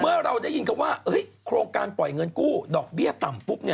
เราได้ยินกันว่าโครงการปล่อยเงินกู้ดอกเบี้ยต่ำปุ๊บ